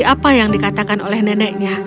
apa yang dikatakan oleh neneknya